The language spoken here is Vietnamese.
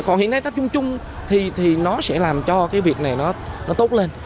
còn hiện nay tác chung chung thì nó sẽ làm cho cái việc này nó tốt lên